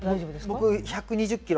僕１２０キロ